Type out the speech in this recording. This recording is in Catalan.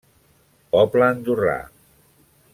Poble Andorrà.